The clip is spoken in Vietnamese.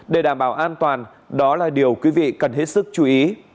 để đảm bảo an toàn đó là điều quý vị cần hết sức chú ý